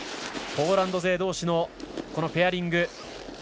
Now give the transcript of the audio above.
ポーランド勢同士のペアリング。